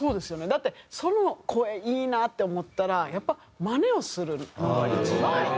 だってその声いいなって思ったらやっぱ真似をするのが一番いい。